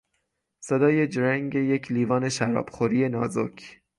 صدای جرنگ یک لیوان شراب خوری نازک